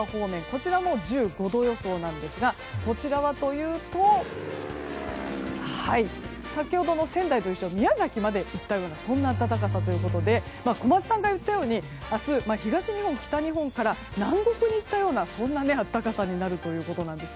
こちらも１５度予想なんですがこちらはというと先ほどの仙台と一緒宮崎まで行ったようなそんな暖かさということで小松さんが言ったように明日、東日本、北日本から南国に行ったようなそんな暖かさになるということです。